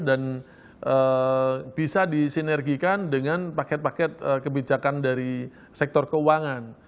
dan bisa disinergikan dengan paket paket kebijakan dari sektor keuangan